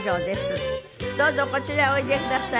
どうぞこちらへおいでください。